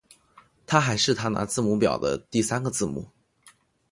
它还是它拿字母表中的第三个字母。